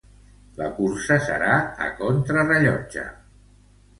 La cursa serà a contra rellotge.